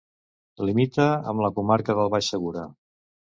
Limita amb la comarca del Baix Segura.